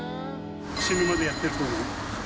死ぬまでやってると思う。